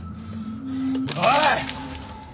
おい！